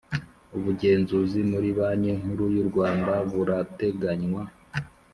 ubugenzuzi muri banki nkuru y'u rwanda burateganywa